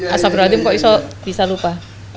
asabdurrahadim kok bisa lupa